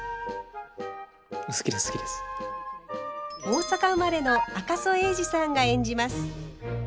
大阪生まれの赤楚衛二さんが演じます。